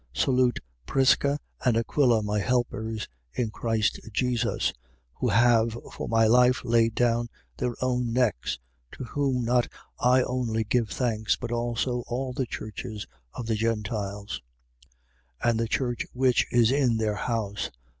16:3. Salute Prisca and Aquila, my helpers, in Christ Jesus 16:4. (Who have for my life laid down their own necks: to whom not I only give thanks, but also all the churches of the Gentiles), 16:5. And the church which is in their house.